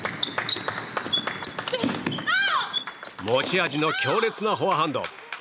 持ち味の強烈なフォアハンド。